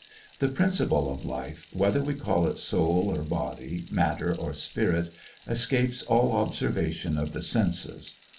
The principle of life, whether we call it soul or body, matter or spirit, escapes all observation of the senses.